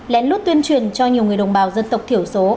lén lút tuyên truyền cho nhiều người đồng bào dân tộc thiểu số